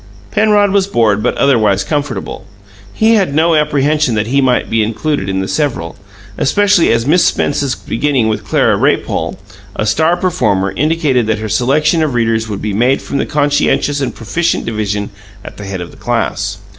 Penrod was bored but otherwise comfortable; he had no apprehension that he might be included in the "several," especially as Miss Spence's beginning with Clara Raypole, a star performer, indicated that her selection of readers would be made from the conscientious and proficient division at the head of the class.